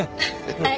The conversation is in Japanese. はい。